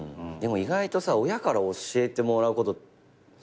でも意外とさ親から教えてもらうこと。